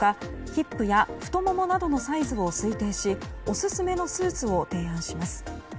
ヒップや太ももなどのサイズを推定しオススメのスーツを提案します。